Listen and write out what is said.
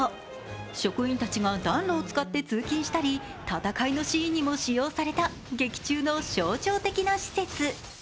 職員たちが暖炉を使って通勤したり戦いのシーンにも使用された劇中の象徴的な施設。